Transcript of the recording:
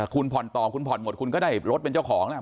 คุณผ่อนต่อคุณผ่อนหมดคุณก็ได้รถเป็นเจ้าของแล้ว